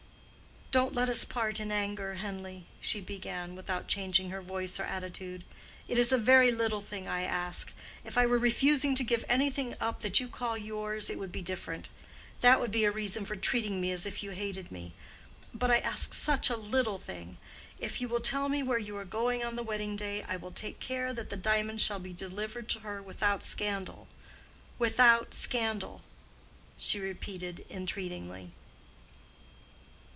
"Don't let us part in anger, Henleigh," she began, without changing her voice or attitude: "it is a very little thing I ask. If I were refusing to give anything up that you call yours it would be different: that would be a reason for treating me as if you hated me. But I ask such a little thing. If you will tell me where you are going on the wedding day I will take care that the diamonds shall be delivered to her without scandal. Without scandal," she repeated entreatingly.